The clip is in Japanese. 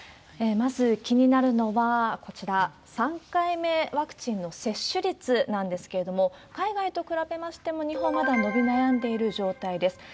まず気になるのはこちら、３回目ワクチンの接種率なんですけれども、海外と比べましても、日本はまだ伸び悩んでいる状態です。